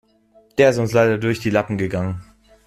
Der ist uns leider durch die Lappen gegangen.